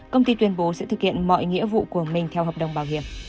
công ty tuyên bố sẽ thực hiện mọi nghĩa vụ của mình theo hợp đồng bảo hiểm